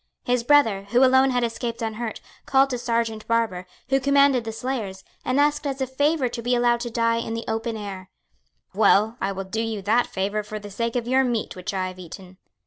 His brother, who alone had escaped unhurt, called to Serjeant Barbour, who commanded the slayers, and asked as a favour to be allowed to die in the open air. "Well," said the Serjeant, "I will do you that favour for the sake of your meat which I have eaten."